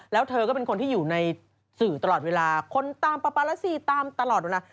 แล้วเธอก็เป็นคนที่อยู่ในสื่อตลอดเวลาคนตามปปารสีตามตลอดเวลา